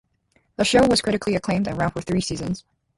The show was critically acclaimed and ran for three seasons.